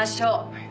はい。